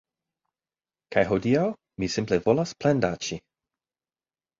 Kaj hodiaŭ mi simple volas plendaĉi